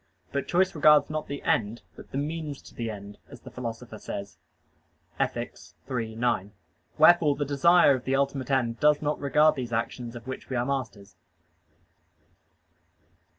But choice regards not the end, but "the means to the end," as the Philosopher says (Ethic. iii, 9). Wherefore the desire of the ultimate end does not regard those actions of which we are masters.